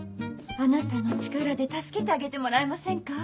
あなたの力で助けてあげてもらえませんか？